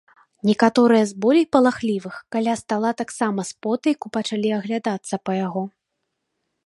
Некаторыя з болей палахлівых каля стала таксама спотайку пачалі аглядацца па яго.